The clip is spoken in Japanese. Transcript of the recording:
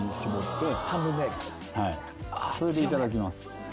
それでいただきます。